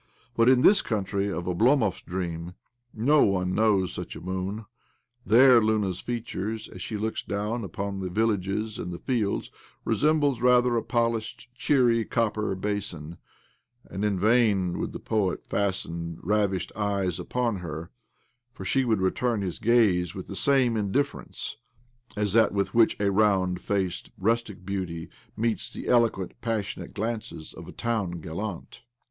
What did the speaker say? But in this country of Oblomov's dre9,m no one knows such a moon ; there Luna's features, as she looks down upon the villages and the fields, re sembles, rather, a polished, cheery copper basin, and in vain would the poet fasten ravished eyes upon her, for she would return his gaze with the same indifference as that with which a rovmd faced rustic beauty meets the eloquent, passionate glances of a town gallant